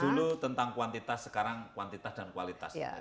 dulu tentang kuantitas sekarang kuantitas dan kualitas